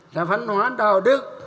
đa phân hóa đạo đức